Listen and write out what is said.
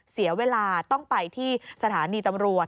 เสียเวลาต้องไปที่สถานีตำรวจ